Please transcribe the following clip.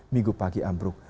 minggu pagi ambruk